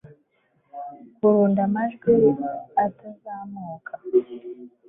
Kurunda amajwi atazamuka